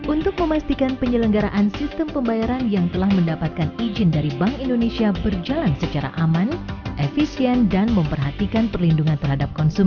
untuk memastikan penyelenggaraan sistem pembayaran yang telah mendapatkan izin dari bank indonesia berjalan secara aman efisien dan memperhatikan perlindungan terhadap konsumen